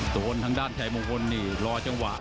โดนทางด้านชายมงคลนี่รอจังหวะ